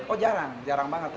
oh jarang jarang banget